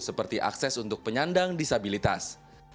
seperti akses untuk penyandang disabilitas